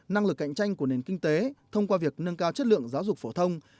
năng lực cạnh tranh của nền kinh tế thông qua việc nâng cao chất lượng giáo dục phổ thông